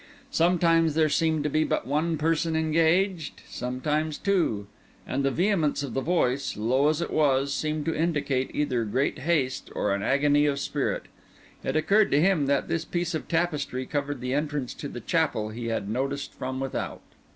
Sometimes there seemed to be but one person engaged, sometimes two; and the vehemence of the voice, low as it was, seemed to indicate either great haste or an agony of spirit. It occurred to him that this piece of tapestry covered the entrance to the chapel he had noticed from without.